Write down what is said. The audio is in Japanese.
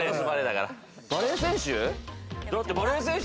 バレー選手？